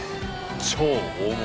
超大物？